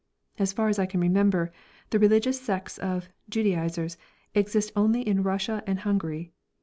As far as I can remember, the religious sects of "judaizers" exist only in Russia and Hungary.